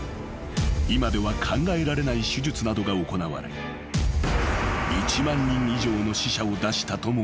今では考えられない手術などが行われ１万人以上の死者を出したともいわれている］